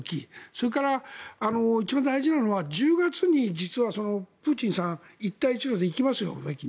それから、一番大きいのは１０月に実はプーチンさん一帯一路で北京に行きますよね。